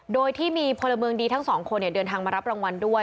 โดยที่มีพลเมืองดีทั้งสองคนเดินทางมารับรางวัลด้วย